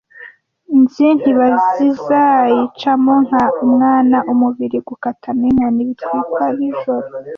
Nzi ntibazayicamo nka umwana umubiri Gukata na inkoni bitwikwa nijoro.